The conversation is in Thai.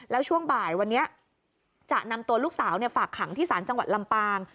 แล้วช่วงบ่ายวันนี้จะนำตัวลูกสาวฝากขังที่ศาลจังหวัดลำปาง